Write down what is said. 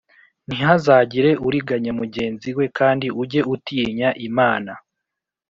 Ntihazagire uriganya mugenzi we kandi ujye utinya Imana